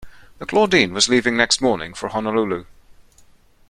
The Claudine was leaving next morning for Honolulu.